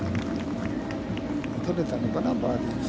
取れたのかな、バーディーが。